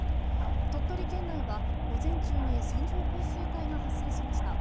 鳥取県内は午前中に線状降水帯が発生しました。